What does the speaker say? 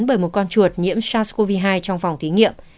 bởi một con chuột nhiễm sars cov hai trong phòng thí nghiệm